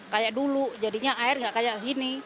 kayak dulu jadinya air gak kayak sini